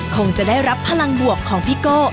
คงจะได้รับพลังบวกของพี่โก้